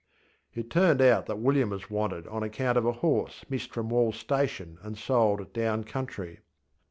ŌĆØŌĆÖ It turned out that William was wanted on account of a horse missed from WallŌĆÖs station and sold down country.